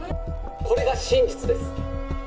これが真実です。